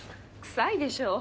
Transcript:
臭いでしょう。